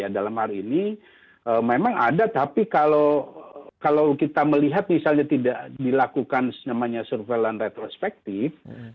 dalam hal ini memang ada tapi kalau kita melihat misalnya tidak dilakukan namanya surveillance retrospective